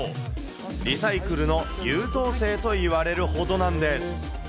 リサイクルの優等生といわれるほどなんです。